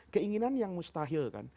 keinginan yang mustahil kan